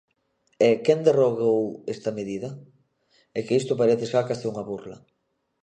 E ¿quen derrogou esta medida? É que isto parece xa case unha burla.